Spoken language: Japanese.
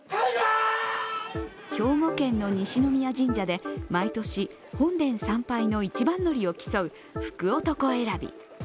兵庫県の西宮神社で毎年本殿参拝の一番乗りを競う福男選び。